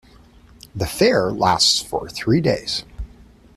The fair lasts for three days.